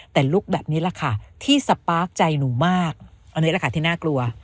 แต่ลุคแบบนี้แหละค่ะที่สปาร์คใจหนูมากอันนี้แหละค่ะที่น่ากลัว